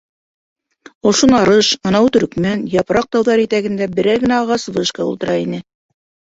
Ошо Нарыш, анауы Төрөкмән, Япраҡ тауҙары итәгендә берәр генә ағас вышка ултыра ине.